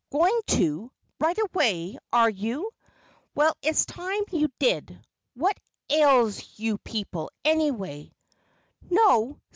Going to, right away, are you? Well, it's time you did. What ails you people, anyway? _No!!